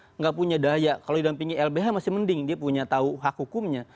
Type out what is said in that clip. tidak punya daya kalau didampingi lbh masih mending dia punya tahu hak hukumnya